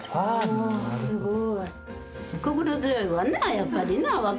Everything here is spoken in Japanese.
すごい。